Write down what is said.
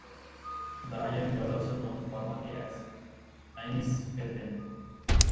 The island was also known formerly as "Inis Faithlenn".